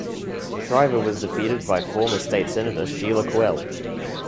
Shriver was defeated by former state senator Sheila Kuehl.